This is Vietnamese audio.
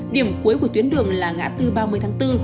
điểm cuối của tuyến đường là ngã tư ba mươi tháng bốn